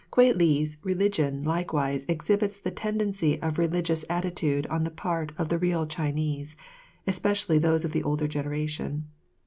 Kwei li's religion likewise exhibits the tendency of religious attitude on the part of the real Chinese, especially those of the older generation.